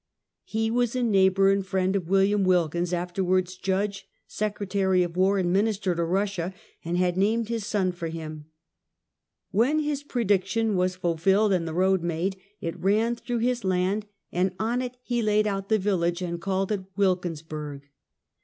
He was a neighbor and friend of Wm. Wilkins, afterwards Judge, Secre tary of "War, and Minister to Russia, and had named his son for him. "When his prediction was fulfilled and the road made, it ran through his land, and on it he laid out the village and called it Wilkinsburg.